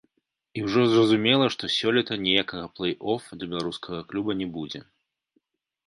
І ўжо зразумела, што сёлета ніякага плэй-оф для беларускага клуба не будзе.